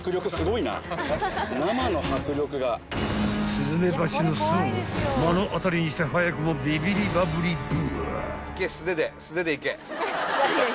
［スズメバチの巣を目の当たりにして早くもビビりばぶりぶ］